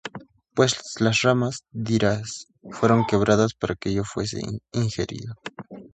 Pues las ramas, dirás, fueron quebradas para que yo fuese ingerido.